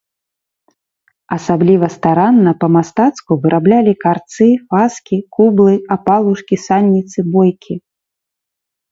Асабліва старанна, па-мастацку выраблялі карцы, фаскі, кублы, апалушкі, сальніцы, бойкі.